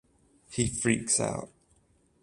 He freaks out.